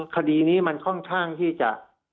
คดีนี้มันค่อนข้างที่จะ